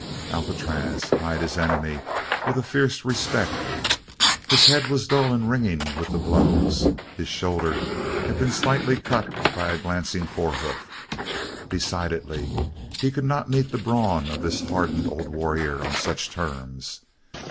Alcatraz eyed his enemy with a fierce respect. His head was dull and ringing with the blows; his shoulder had been slightly cut by a glancing forehoof. Decidedly he could not meet the brawn of this hardened old warrior on such terms.